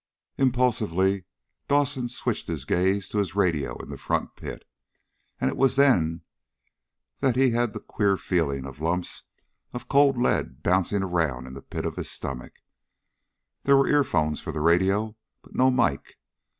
Impulsively Dawson switched his gaze to his radio in the front pit. And it was then that he had the queer feeling of lumps of cold lead bouncing around in the pit of his stomach. There were earphones for the radio, but no mike.